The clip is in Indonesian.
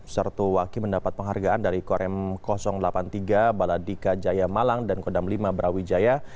sertu waki mendapat penghargaan dari korem delapan puluh tiga baladika jaya malang dan kodam lima brawijaya